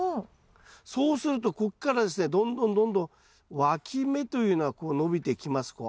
そうするとこっからですねどんどんどんどんわき芽というのがこう伸びてきますこう。